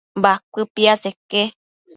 Bacuëbo piaseque